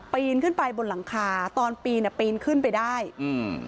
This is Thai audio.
ปีนขึ้นไปบนหลังคาตอนปีนอ่ะปีนขึ้นไปได้อืม